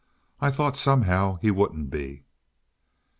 I thought somehow he wouldn't be.